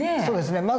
そうですね。